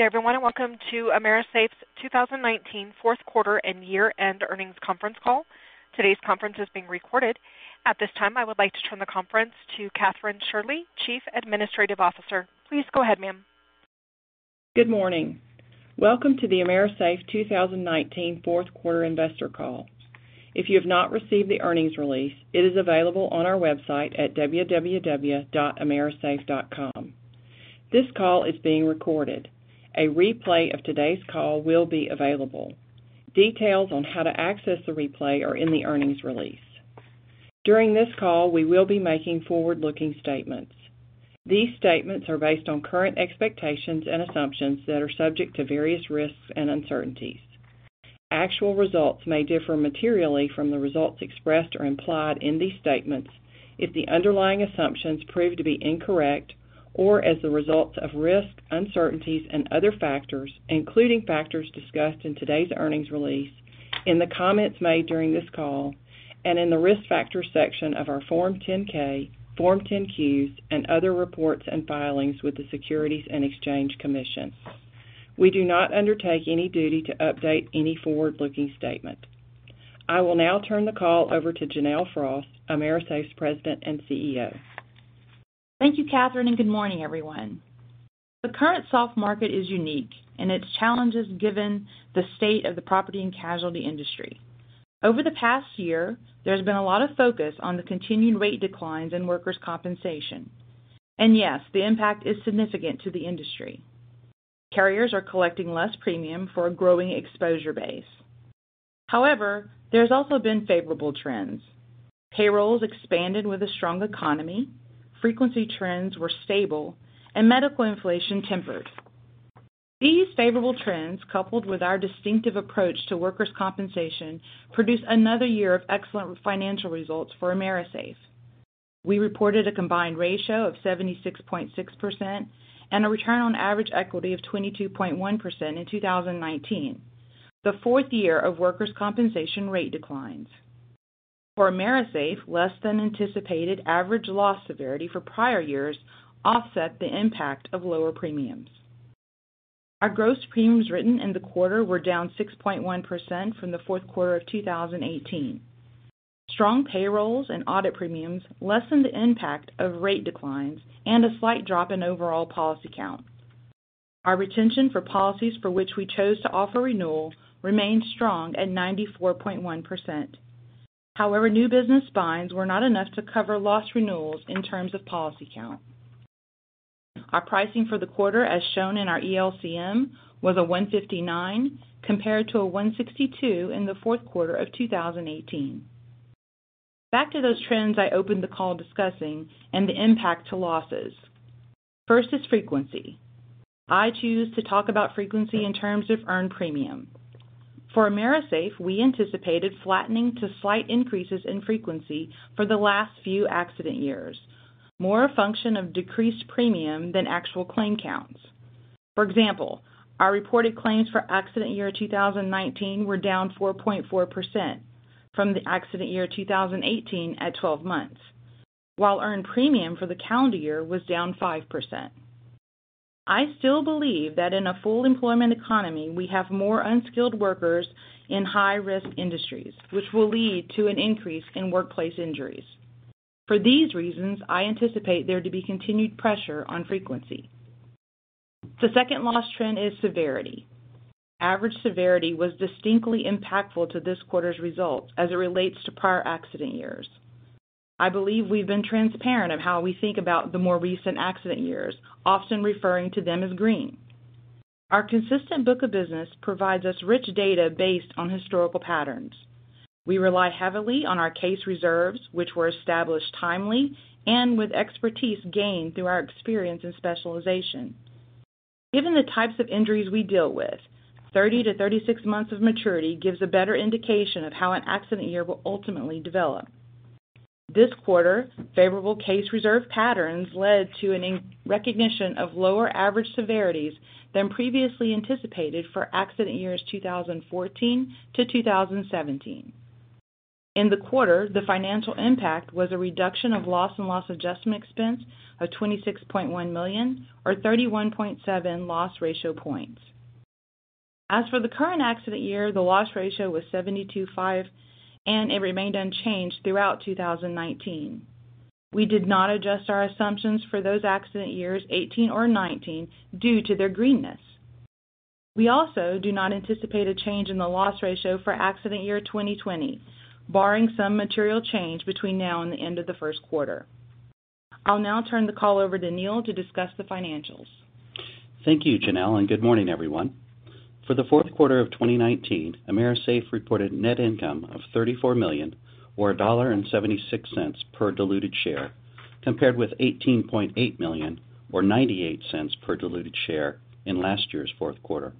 Good morning, everyone, and welcome to AMERISAFE's 2019 fourth quarter and year-end earnings conference call. Today's conference is being recorded. At this time, I would like to turn the conference to Kathryn Shirley, Chief Administrative Officer. Please go ahead, ma'am. Good morning. Welcome to the AMERISAFE 2019 fourth quarter investor call. If you have not received the earnings release, it is available on our website at www.amerisafe.com. This call is being recorded. A replay of today's call will be available. Details on how to access the replay are in the earnings release. During this call, we will be making forward-looking statements. These statements are based on current expectations and assumptions that are subject to various risks and uncertainties. Actual results may differ materially from the results expressed or implied in these statements if the underlying assumptions prove to be incorrect or as a result of risks, uncertainties and other factors, including factors discussed in today's earnings release, in the comments made during this call, and in the Risk Factors section of our Form 10-K, Form 10-Qs and other reports and filings with the Securities and Exchange Commission. We do not undertake any duty to update any forward-looking statement. I will now turn the call over to Janelle Frost, AMERISAFE's President and Chief Executive Officer. Thank you, Kathryn, good morning, everyone. The current soft market is unique in its challenges given the state of the property and casualty industry. Over the past year, there's been a lot of focus on the continued rate declines in workers' compensation. Yes, the impact is significant to the industry. Carriers are collecting less premium for a growing exposure base. However, there's also been favorable trends. Payrolls expanded with a strong economy, frequency trends were stable, and medical inflation tempered. These favorable trends, coupled with our distinctive approach to workers' compensation, produced another year of excellent financial results for AMERISAFE. We reported a combined ratio of 76.6% and a return on average equity of 22.1% in 2019, the fourth year of workers' compensation rate declines. For AMERISAFE, less than anticipated average loss severity for prior years offset the impact of lower premiums. Our gross premiums written in the quarter were down 6.1% from the fourth quarter of 2018. Strong payrolls and audit premiums lessened the impact of rate declines and a slight drop in overall policy count. Our retention for policies for which we chose to offer renewal remained strong at 94.1%. However, new business binds were not enough to cover loss renewals in terms of policy count. Our pricing for the quarter, as shown in our ELCM, was 159 compared to 162 in the fourth quarter of 2018. Back to those trends I opened the call discussing and the impact to losses. First is frequency. I choose to talk about frequency in terms of earned premium. For AMERISAFE, we anticipated flattening to slight increases in frequency for the last few accident years, more a function of decreased premium than actual claim counts. For example, our reported claims for accident year 2019 were down 4.4% from the accident year 2018 at 12 months, while earned premium for the calendar year was down 5%. I still believe that in a full employment economy, we have more unskilled workers in high-risk industries, which will lead to an increase in workplace injuries. For these reasons, I anticipate there to be continued pressure on frequency. The second loss trend is severity. Average severity was distinctly impactful to this quarter's results as it relates to prior accident years. I believe we've been transparent of how we think about the more recent accident years, often referring to them as green. Our consistent book of business provides us rich data based on historical patterns. We rely heavily on our case reserves, which were established timely and with expertise gained through our experience and specialization. Given the types of injuries we deal with, 30 to 36 months of maturity gives a better indication of how an accident year will ultimately develop. This quarter, favorable case reserve patterns led to a recognition of lower average severities than previously anticipated for accident years 2014 to 2017. In the quarter, the financial impact was a reduction of loss and loss adjustment expense of $26.1 million or 31.7 loss ratio points. As for the current accident year, the loss ratio was 72.5, and it remained unchanged throughout 2019. We did not adjust our assumptions for those accident years, 2018 or 2019, due to their greenness. We also do not anticipate a change in the loss ratio for accident year 2020, barring some material change between now and the end of the first quarter. I'll now turn the call over to Neal to discuss the financials. Thank you, Janelle, and good morning everyone. For the fourth quarter of 2019, AMERISAFE reported net income of $34 million, or $1.76 per diluted share, compared with $18.8 million or $0.98 per diluted share in last year's fourth quarter.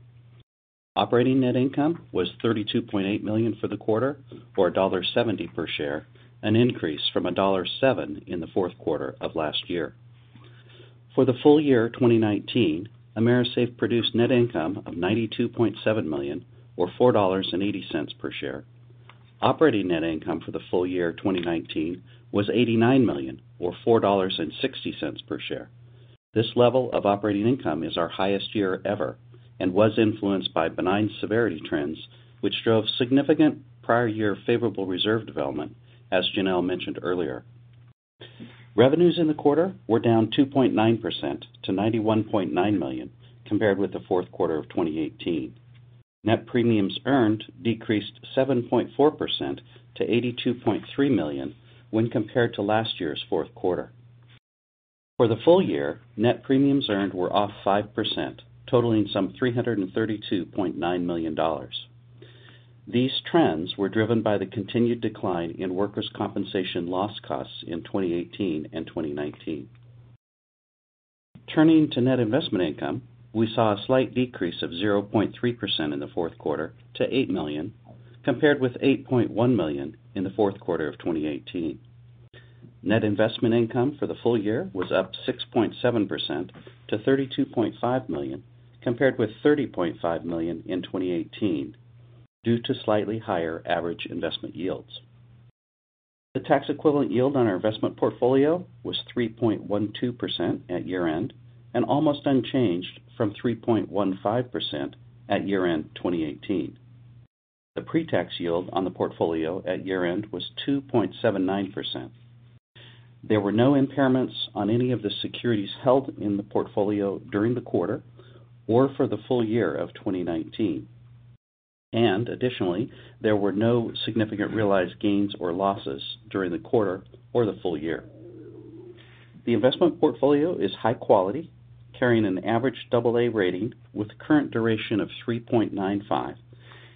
Operating net income was $32.8 million for the quarter or $1.70 per share, an increase from $1.07 in the fourth quarter of last year. For the full year 2019, AMERISAFE produced net income of $92.7 million, or $4.80 per share Operating net income for the full year 2019 was $89 million, or $4.60 per share. This level of operating income is our highest year ever and was influenced by benign severity trends, which drove significant prior year favorable reserve development, as Janelle mentioned earlier. Revenues in the quarter were down 2.9% to $91.9 million, compared with the fourth quarter of 2018. Net premiums earned decreased 7.4% to $82.3 million when compared to last year's fourth quarter. For the full year, net premiums earned were off 5%, totaling some $332.9 million. These trends were driven by the continued decline in workers' compensation loss costs in 2018 and 2019. Turning to net investment income, we saw a slight decrease of 0.3% in the fourth quarter to $8 million, compared with $8.1 million in the fourth quarter of 2018. Net investment income for the full year was up 6.7% to $32.5 million, compared with $30.5 million in 2018, due to slightly higher average investment yields. The tax equivalent yield on our investment portfolio was 3.12% at year-end and almost unchanged from 3.15% at year-end 2018. The pre-tax yield on the portfolio at year-end was 2.79%. There were no impairments on any of the securities held in the portfolio during the quarter or for the full year of 2019. Additionally, there were no significant realized gains or losses during the quarter or the full year. The investment portfolio is high quality, carrying an average double A rating with current duration of 3.95.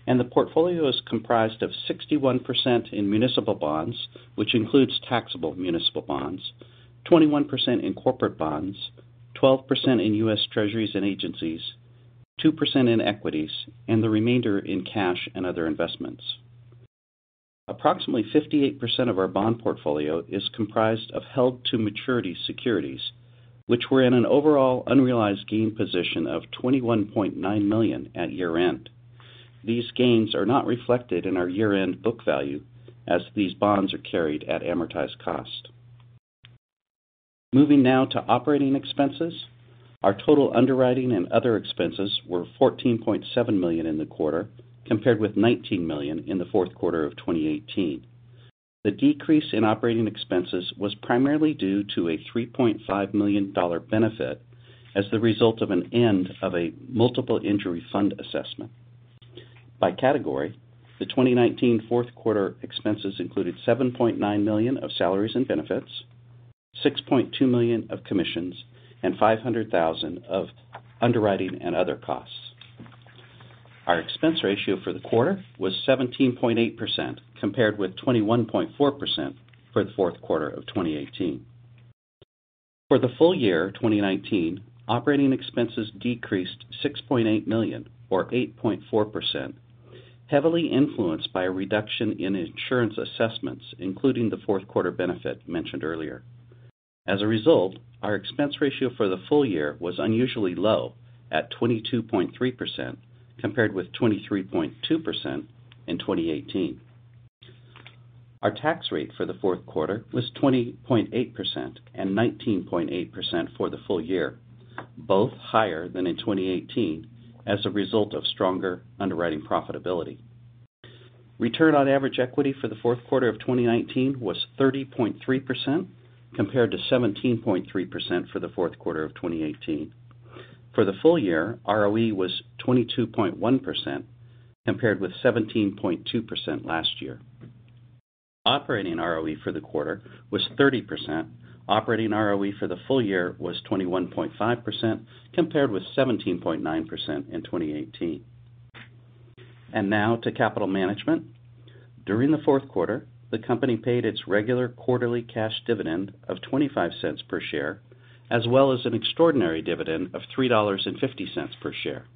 The portfolio is comprised of 61% in municipal bonds, which includes taxable municipal bonds, 21% in corporate bonds, 12% in U.S. Treasuries and agencies, 2% in equities, and the remainder in cash and other investments. Approximately 58% of our bond portfolio is comprised of held-to-maturity securities, which were in an overall unrealized gain position of $21.9 million at year-end. These gains are not reflected in our year-end book value as these bonds are carried at amortized cost. Moving now to operating expenses. Our total underwriting and other expenses were $14.7 million in the quarter, compared with $19 million in the fourth quarter of 2018. The decrease in operating expenses was primarily due to a $3.5 million benefit as the result of an end of a Multiple Injury Trust Fund assessment. By category, the 2019 fourth quarter expenses included $7.9 million of salaries and benefits, $6.2 million of commissions, and $500,000 of underwriting and other costs. Our expense ratio for the quarter was 17.8%, compared with 21.4% for the fourth quarter of 2018. For the full year 2019, operating expenses decreased $6.8 million or 8.4%, heavily influenced by a reduction in insurance assessments, including the fourth quarter benefit mentioned earlier. As a result, our expense ratio for the full year was unusually low at 22.3%, compared with 23.2% in 2018. Our tax rate for the fourth quarter was 20.8% and 19.8% for the full year, both higher than in 2018 as a result of stronger underwriting profitability. Return on average equity for the fourth quarter of 2019 was 30.3%, compared to 17.3% for the fourth quarter of 2018. For the full year, ROE was 22.1%, compared with 17.2% last year. Operating ROE for the quarter was 30%. Operating ROE for the full year was 21.5%, compared with 17.9% in 2018. Now to capital management. During the fourth quarter, the company paid its regular quarterly cash dividend of $0.25 per share, as well as an extraordinary dividend of $3.50 per share.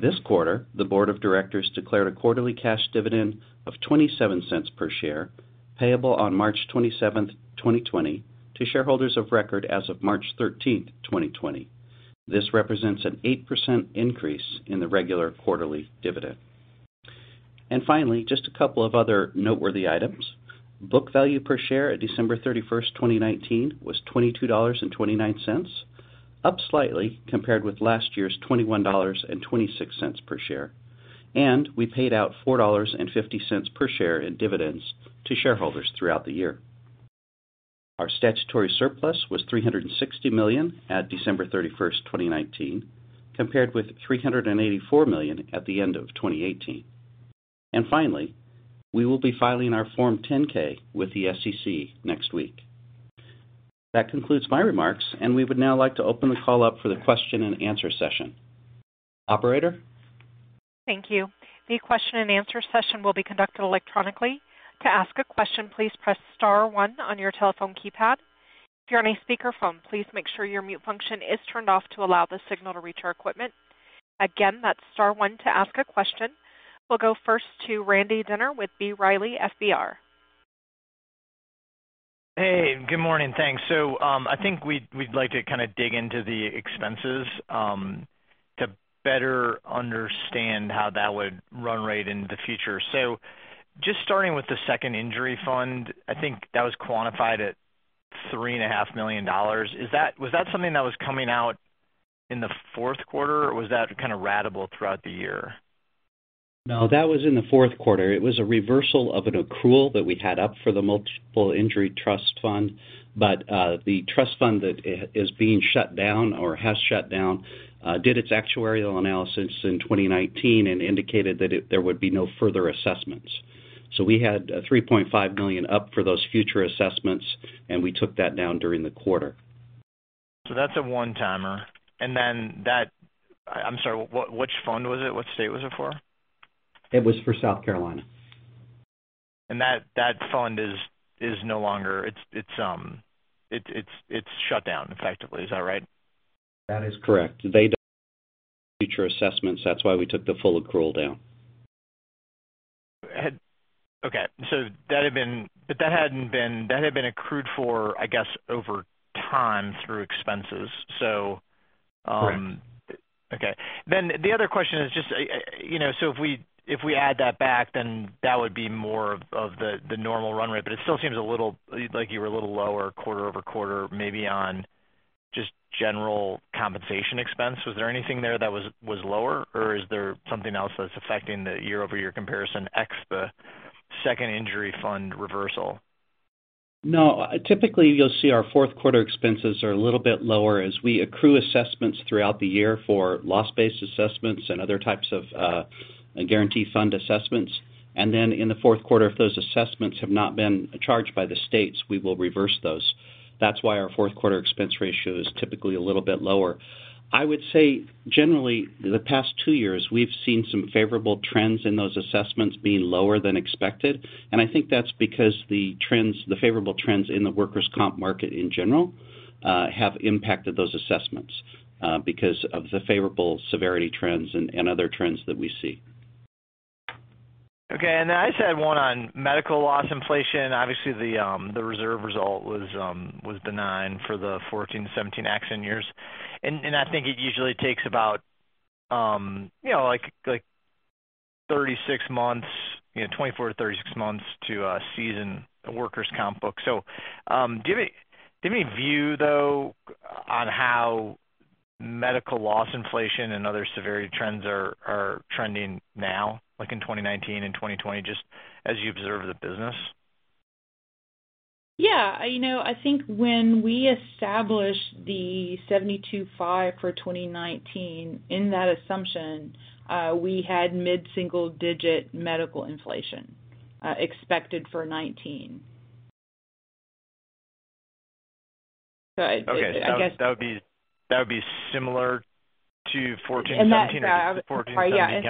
This quarter, the board of directors declared a quarterly cash dividend of $0.27 per share, payable on March 27th, 2020, to shareholders of record as of March 13th, 2020. This represents an 8% increase in the regular quarterly dividend. Finally, just a couple of other noteworthy items. Book value per share at December 31st, 2019 was $22.29, up slightly compared with last year's $21.26 per share. We paid out $4.50 per share in dividends to shareholders throughout the year. Our statutory surplus was $360 million at December 31st, 2019, compared with $384 million at the end of 2018. Finally, we will be filing our Form 10-K with the SEC next week. That concludes my remarks, and we would now like to open the call up for the question and answer session. Operator? Thank you. The question and answer session will be conducted electronically. To ask a question, please press star one on your telephone keypad. If you're on a speakerphone, please make sure your mute function is turned off to allow the signal to reach our equipment. Again, that's star one to ask a question. We'll go first to Randy Binner with B. Riley FBR. Hey, good morning. Thanks. I think we'd like to dig into the expenses to better understand how that would run rate into the future. Just starting with the second injury fund, I think that was quantified at $3.5 million. Was that something that was coming out in the fourth quarter, or was that ratable throughout the year? No, that was in the fourth quarter. It was a reversal of an accrual that we had up for the Multiple Injury Trust Fund. The trust fund that is being shut down or has shut down did its actuarial analysis in 2019 and indicated that there would be no further assessments. We had $3.5 million up for those future assessments, and we took that down during the quarter. That's a one-timer. I'm sorry, which fund was it? What state was it for? It was for South Carolina. That fund is shut down effectively, is that right? That is correct. They don't future assessments. That's why we took the full accrual down. Okay. That had been accrued for, I guess, over time through expenses. Correct. Okay. The other question is just, if we add that back, that would be more of the normal run rate, but it still seems like you were a little lower quarter-over-quarter, maybe on just general compensation expense. Was there anything there that was lower, or is there something else that's affecting the year-over-year comparison, ex the Second Injury Fund reversal? No. Typically, you'll see our fourth quarter expenses are a little bit lower as we accrue assessments throughout the year for loss-based assessments and other types of guarantee fund assessments. In the fourth quarter, if those assessments have not been charged by the states, we will reverse those. That's why our fourth quarter expense ratio is typically a little bit lower. I would say generally, the past two years, we've seen some favorable trends in those assessments being lower than expected, and I think that's because the favorable trends in the workers' comp market in general have impacted those assessments because of the favorable severity trends and other trends that we see. Okay. I just had one on medical loss inflation. Obviously, the reserve result was benign for the 2014 to 2017 accident years. I think it usually takes about 24 to 36 months to season a workers' comp book. Do you have any view, though, on how medical loss inflation and other severity trends are trending now, like in 2019 and 2020, just as you observe the business? Yeah. I think when we established the 72.5 for 2019, in that assumption we had mid-single digit medical inflation expected for 2019. Okay. That would be similar to 2014 to 2017?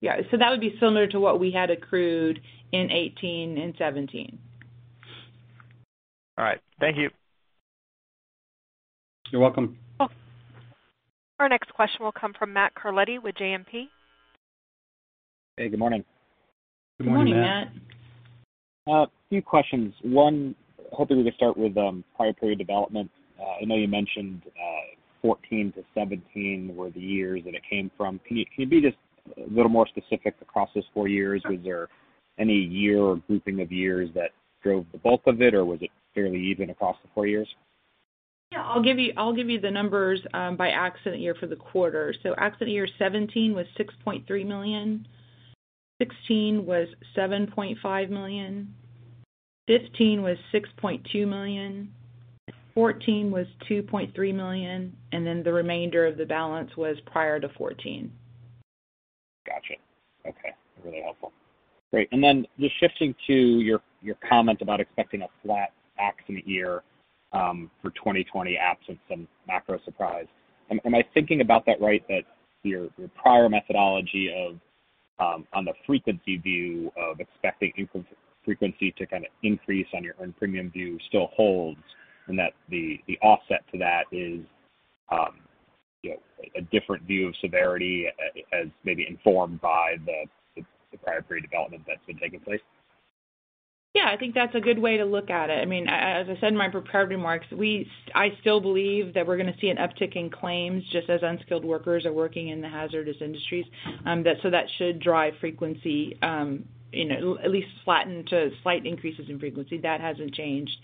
Yeah. That would be similar to what we had accrued in 2018 and 2017. All right. Thank you. You're welcome. You're welcome. Our next question will come from Matt Carletti with JMP. Hey, good morning. Good morning, Matt. Good morning. A few questions. One, hoping we could start with prior period development. I know you mentioned 2014 to 2017 were the years that it came from. Can you be just a little more specific across those four years? Was there any year or grouping of years that drove the bulk of it, or was it fairly even across the four years? I'll give you the numbers by accident year for the quarter. Accident year 2017 was $6.3 million, 2016 was $7.5 million, 2015 was $6.2 million, 2014 was $2.3 million. The remainder of the balance was prior to 2014. Got you. Okay. Really helpful. Great. Just shifting to your comment about expecting a flat accident year for 2020 absent some macro surprise. Am I thinking about that right, that your prior methodology on the frequency view of expecting frequency to increase on your earned premium view still holds, and that the offset to that is a different view of severity as maybe informed by the prior period development that's been taking place? I think that's a good way to look at it. As I said in my prepared remarks, I still believe that we're going to see an uptick in claims just as unskilled workers are working in the hazardous industries. That should drive frequency, at least flatten to slight increases in frequency. That hasn't changed.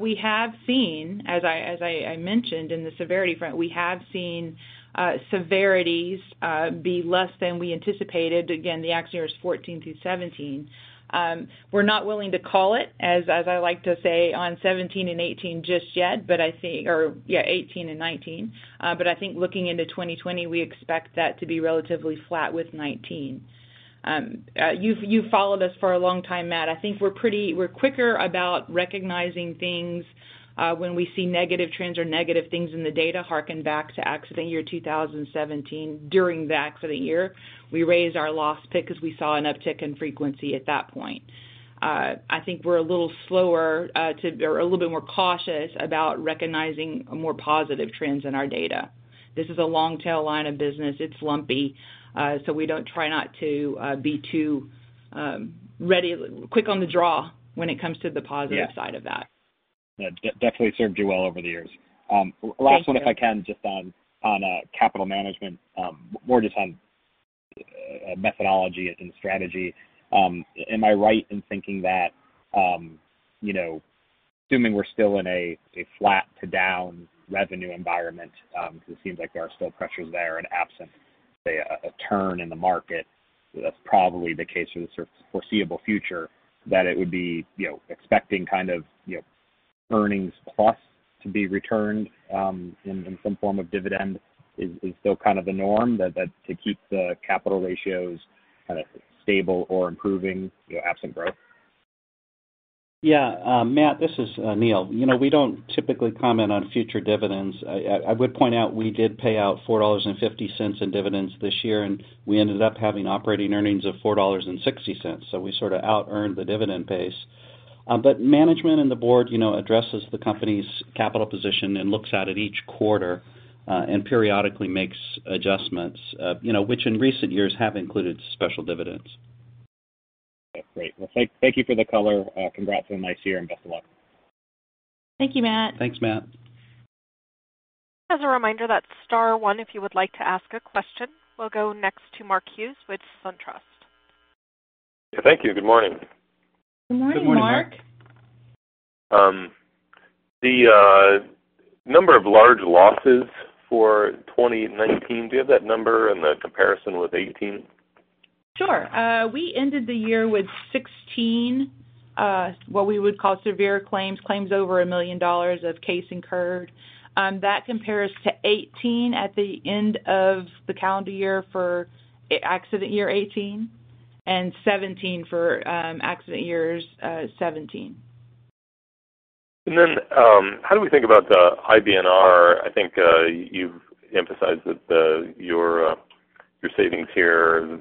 We have seen, as I mentioned in the severity front, we have seen severities be less than we anticipated. Again, the accident years 2014 through 2017. We're not willing to call it, as I like to say, on 2017 and 2018 just yet, but 2018 and 2019. I think looking into 2020, we expect that to be relatively flat with 2019. You've followed us for a long time, Matt. I think we're quicker about recognizing things when we see negative trends or negative things in the data, hearken back to accident year 2017 during the accident year. We raised our loss pick because we saw an uptick in frequency at that point. I think we're a little slower or a little bit more cautious about recognizing more positive trends in our data. This is a long tail line of business. It's lumpy. We try not to be too quick on the draw when it comes to the positive side of that. Yeah. Definitely served you well over the years. Thank you. Last one, if I can, just on capital management, more just on methodology and strategy. Am I right in thinking that, assuming we're still in a flat to down revenue environment, because it seems like there are still pressures there and absent, say, a turn in the market, that's probably the case for the foreseeable future, that it would be expecting earnings plus to be returned in some form of dividend is still the norm, to keep the capital ratios stable or improving absent growth? Yeah. Matt, this is Neal. We don't typically comment on future dividends. I would point out we did pay out $4.50 in dividends this year, and we ended up having operating earnings of $4.60. We sort of out-earned the dividend base. Management and the board addresses the company's capital position and looks at it each quarter, and periodically makes adjustments, which in recent years have included special dividends. Okay, great. Well, thank you for the color. Congrats on a nice year, and best of luck. Thank you, Matt. Thanks, Matt. As a reminder, that's star one if you would like to ask a question. We'll go next to Mark Hughes with SunTrust. Yeah, thank you. Good morning. Good morning, Mark. Good morning. The number of large losses for 2019, do you have that number and the comparison with 2018? Sure. We ended the year with 16, what we would call severe claims over $1 million of case incurred. That compares to 18 at the end of the calendar year for accident year 2018, and 17 for accident years 2017. How do we think about the IBNR? I think you've emphasized that your savings here,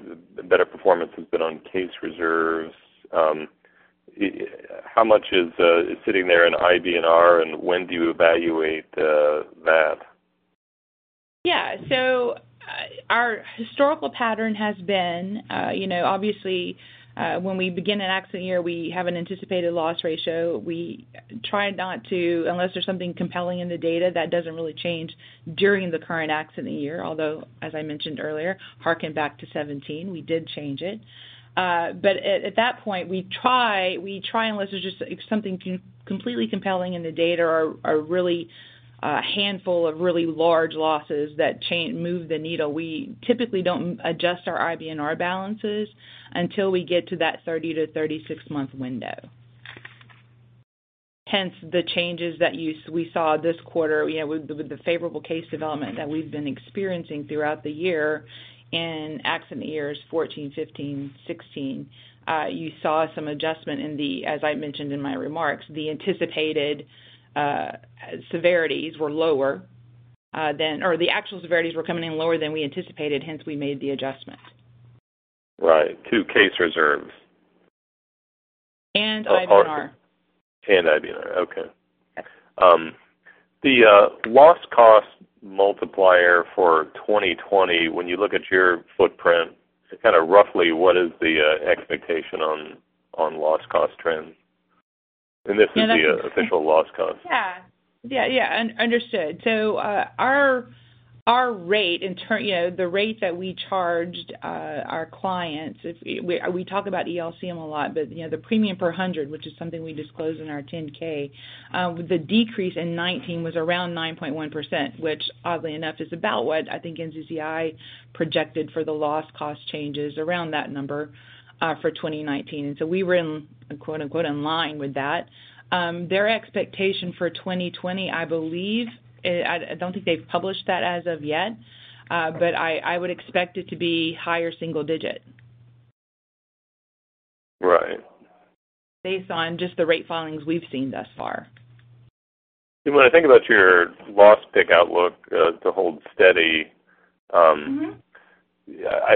the better performance has been on case reserves. How much is sitting there in IBNR, and when do you evaluate that? Yeah. Our historical pattern has been obviously when we begin an accident year, we have an anticipated loss ratio. We try not to, unless there's something compelling in the data, that doesn't really change during the current accident year. Although, as I mentioned earlier, hearken back to 2017, we did change it. At that point, we try unless there's just something completely compelling in the data or a handful of really large losses that move the needle. We typically don't adjust our IBNR balances until we get to that 30-36 month window. Hence, the changes that we saw this quarter with the favorable case development that we've been experiencing throughout the year in accident years 2014, 2015, 2016. You saw some adjustment in the, as I mentioned in my remarks, the anticipated severities were lower than, or the actual severities were coming in lower than we anticipated, hence we made the adjustment. Right. To case reserves. IBNR. IBNR. Okay. Yes. The loss cost multiplier for 2020, when you look at your footprint, kind of roughly, what is the expectation on loss cost trends? This is the official loss cost. Yeah. Understood. Our rate in turn, the rate that we charged our clients, we talk about ELCM a lot, but the premium per 100, which is something we disclose in our 10-K, the decrease in 2019 was around 9.1%, which oddly enough is about what I think NCCI projected for the loss cost changes around that number for 2019. We were "in line" with that. Their expectation for 2020, I believe, I don't think they've published that as of yet, but I would expect it to be higher single digit. Right. Based on just the rate filings we've seen thus far. When I think about your loss pick outlook to hold steady.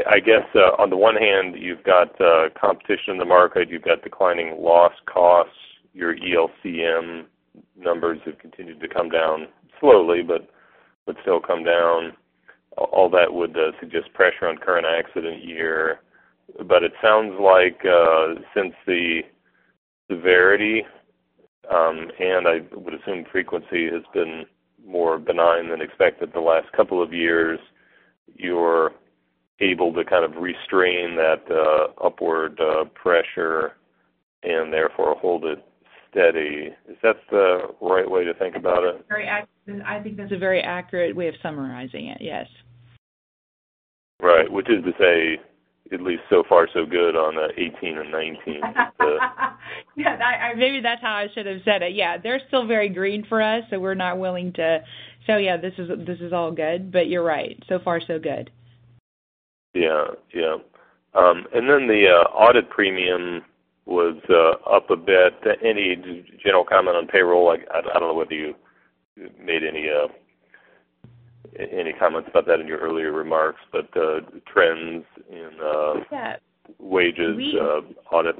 I guess on the one hand, you've got competition in the market, you've got declining loss costs, your ELCM numbers have continued to come down slowly, but still come down. All that would suggest pressure on current accident year. It sounds like since the severity, and I would assume frequency, has been more benign than expected the last couple of years, you're able to kind of restrain that upward pressure and therefore hold it steady. Is that the right way to think about it? I think that's a very accurate way of summarizing it, yes. Right. Which is to say, at least so far so good on the 2018 or 2019. Yes. Maybe that's how I should have said it. Yeah. They're still very green for us, we're not willing to say, yeah, this is all good, you're right. So far so good. Yeah. The audit premium was up a bit. Any general comment on payroll? I don't know whether you made any comments about that in your earlier remarks, trends in- Yeah wages audit.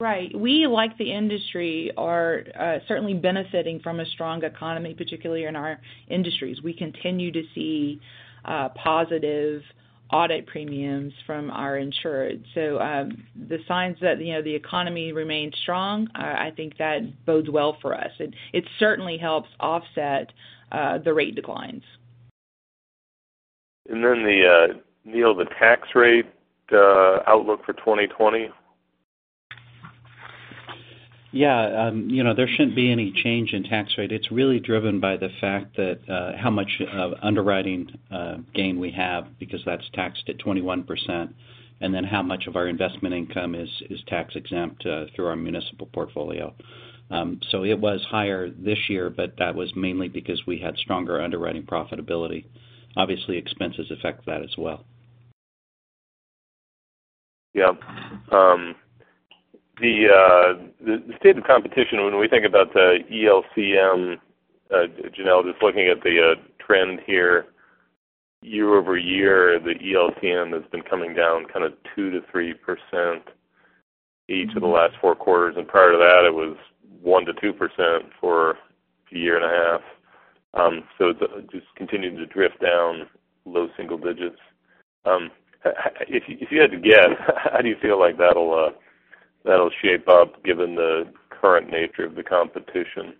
Right. We, like the industry, are certainly benefiting from a strong economy, particularly in our industries. We continue to see positive audit premiums from our insureds. The signs that the economy remains strong, I think that bodes well for us. It certainly helps offset the rate declines. Neal, the tax rate outlook for 2020? Yeah. There shouldn't be any change in tax rate. It's really driven by the fact that how much of underwriting gain we have, because that's taxed at 21%, and then how much of our investment income is tax-exempt through our municipal portfolio. It was higher this year, but that was mainly because we had stronger underwriting profitability. Obviously, expenses affect that as well. Yep. The state of competition, when we think about the ELCM, Janelle, just looking at the trend here, year-over-year, the ELCM has been coming down kind of 2%-3% each of the last 4 quarters, and prior to that, it was 1%-2% for a year and a half. It just continued to drift down low single digits. If you had to guess, how do you feel like that'll shape up given the current nature of the competition?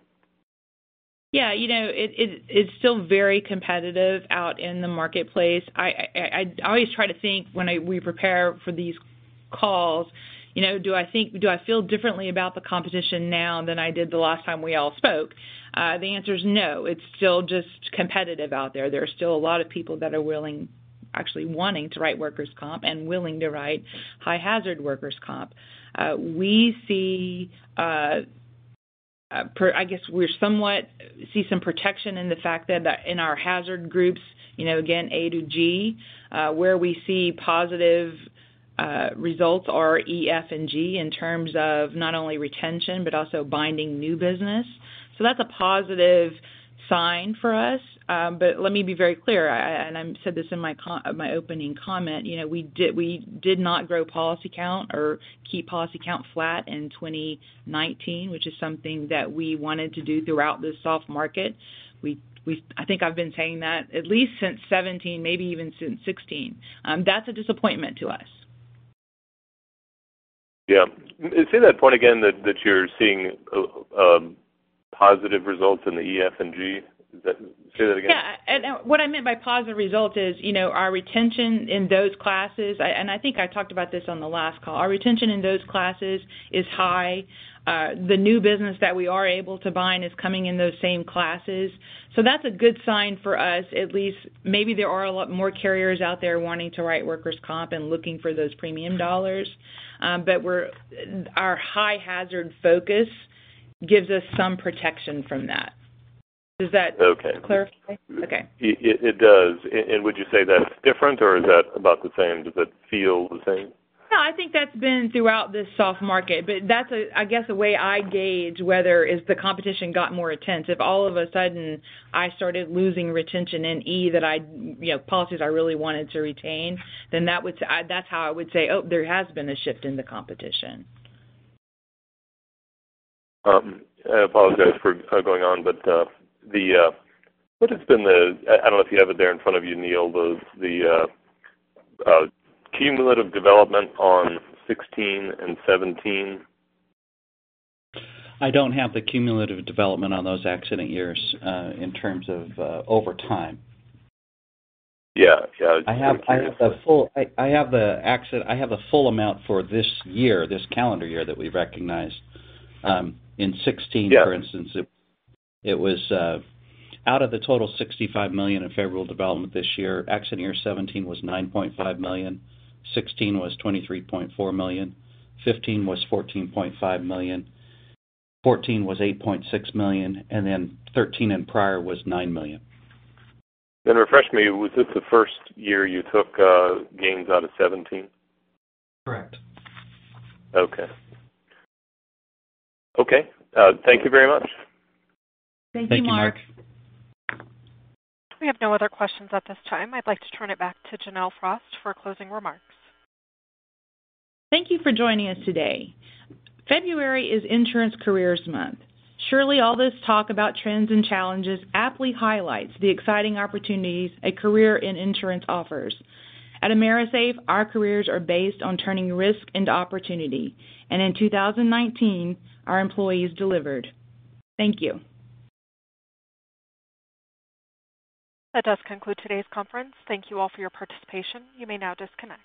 Yeah. It's still very competitive out in the marketplace. I always try to think when we prepare for these calls, do I feel differently about the competition now than I did the last time we all spoke? The answer is no. It's still just competitive out there. There are still a lot of people that are willing, actually wanting to write workers' comp and willing to write high hazard workers' comp. I guess we somewhat see some protection in the fact that in our hazard groups, again, A to G, where we see positive results are E, F, and G in terms of not only retention but also binding new business. That's a positive sign for us. Let me be very clear, and I said this in my opening comment, we did not grow policy count or keep policy count flat in 2019, which is something that we wanted to do throughout this soft market. I think I've been saying that at least since 2017, maybe even since 2016. That's a disappointment to us. Yeah. Say that point again, that you're seeing positive results in the E, F, and G. Say that again. Yeah. What I meant by positive result is our retention in those classes, and I think I talked about this on the last call, our retention in those classes is high. The new business that we are able to bind is coming in those same classes. That's a good sign for us, at least. Maybe there are a lot more carriers out there wanting to write workers' comp and looking for those premium dollars. Our high hazard focus gives us some protection from that. Does that? Okay Clarify? Okay. It does. Would you say that's different or is that about the same? Does it feel the same? No, I think that's been throughout this soft market. That's, I guess, the way I gauge whether if the competition got more intense. If all of a sudden I started losing retention in E that, policies I really wanted to retain, then that's how I would say, "Oh, there has been a shift in the competition. I apologize for going on, what has been the, I don't know if you have it there in front of you, Neal, the cumulative development on 2016 and 2017? I don't have the cumulative development on those accident years in terms of over time. Yeah. I have the full amount for this year, this calendar year that we recognized. Yeah for instance, out of the total $65 million in favorable development this year, accident year 2017 was $9.5 million, 2016 was $23.4 million, 2015 was $14.5 million, 2014 was $8.6 million, and then 2013 and prior was $9 million. Refresh me, was this the first year you took gains out of 2017? Correct. Okay. Okay. Thank you very much. Thank you, Mark. Thank you, Mark. We have no other questions at this time. I'd like to turn it back to Janelle Frost for closing remarks. Thank you for joining us today. February is Insurance Careers Month. Surely all this talk about trends and challenges aptly highlights the exciting opportunities a career in insurance offers. At AMERISAFE, our careers are based on turning risk into opportunity, and in 2019, our employees delivered. Thank you. That does conclude today's conference. Thank you all for your participation. You may now disconnect.